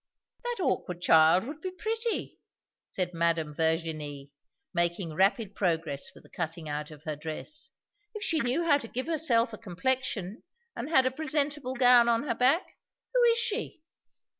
"That awkward child would be pretty," said Mademoiselle Virginie, making rapid progress with the cutting out of her dress, "if she knew how to give herself a complexion, and had a presentable gown on her back. Who is she?"